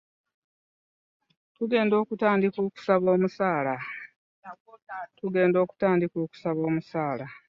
Tugenda kutandika okubasala omusaala.